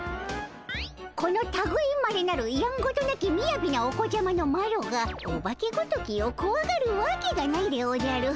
このたぐいまれなるやんごとなきみやびなお子ちゃまのマロがオバケごときをこわがるわけがないでおじゃる。